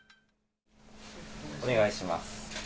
お願いします。